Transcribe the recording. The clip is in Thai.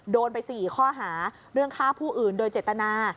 โดนไป๔ข้อหาเรื่องฆ่าผู้อื่นโดยเจตนา